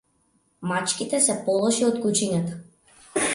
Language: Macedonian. Мачките се полоши од кучињата.